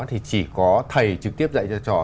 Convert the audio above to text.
thì chỉ có thầy trực tiếp dạy cho trò